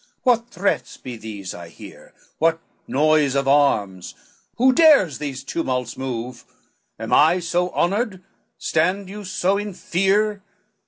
what threats be these I hear? What noise of arms? who dares these tumults move? Am I so honored? stand you so in fear?